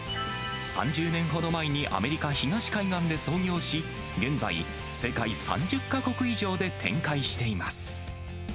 ３０年ほど前にアメリカ・東海岸で創業し、現在、世界３０か国以上で展開しています。